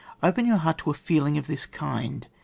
Open your heart to a feeling of tLis kind !